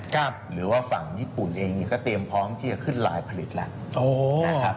หรือว่าฝั่งญี่ปุ่นเองก็เตรียมพร้อมที่จะขึ้นลายผลิตแล้วนะครับ